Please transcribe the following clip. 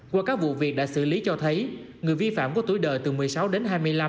qua các vụ việc đã xử lý cho thấy người vi phạm có tuổi đời từ một mươi sáu đến hai mươi năm